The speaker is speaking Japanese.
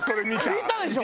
見たでしょ？